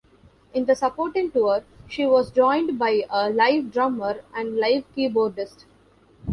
In the supporting tour she was joined by a live drummer and live keyboardist.